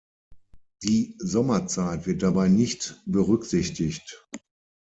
Die Sommerzeit wird dabei nicht berücksichtigt.